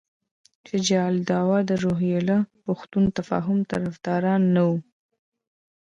شجاع الدوله د روهیله پښتنو تفاهم طرفدار نه وو.